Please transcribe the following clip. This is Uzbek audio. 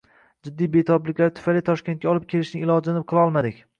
Jiddiy betobliklari tufayli Toshkentga olib kelishning ilojini qilolmadik.